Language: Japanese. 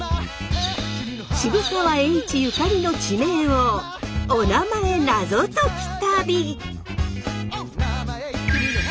渋沢栄一ゆかりの地名をおなまえナゾ解き旅。